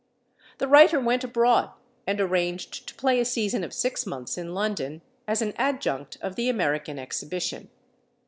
The writer went abroad and arranged to play a season of six months in London, as an adjunct of the American exhibition.